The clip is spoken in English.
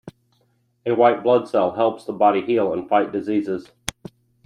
A white blood cell helps the body heal and fight diseases.